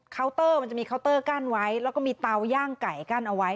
เตอร์มันจะมีเคาน์เตอร์กั้นไว้แล้วก็มีเตาย่างไก่กั้นเอาไว้